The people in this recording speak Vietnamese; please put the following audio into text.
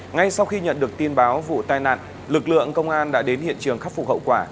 ngay sau khi nhận được tin báo vụ tai nạn lực lượng công an đã đến hiện trường khắc phục hậu quả